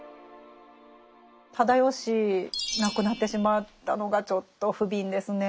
直義亡くなってしまったのがちょっと不憫ですね。